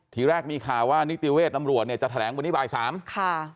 ทีแรกมีข่าวว่านิติเวชตำรวจเนี่ยจะแถลงวันนี้บ่ายสามค่ะ